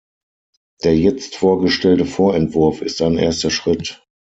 Der jetzt vorgestellte Vorentwurf ist ein erster Schritt.